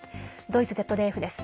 ドイツＺＤＦです。